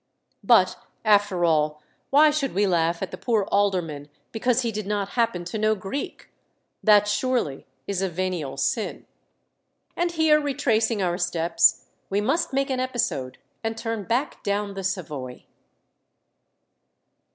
But, after all, why should we laugh at the poor alderman because he did not happen to know Greek? That surely is a venial sin. And here, retracing our steps, we must make an episode and turn back down the Savoy.